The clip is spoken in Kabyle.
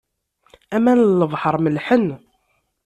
Aman n lebḥer mellḥen.